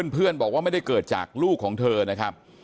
เพื่อนบอกว่าไม่ได้เกิดจากลูกของเธอนะครับ